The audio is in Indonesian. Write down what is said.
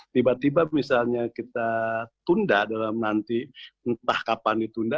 tiba tiba misalnya kita tunda dalam nanti entah kapan ditunda